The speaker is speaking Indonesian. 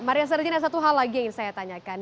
maria sarjina satu hal lagi yang ingin saya tanyakan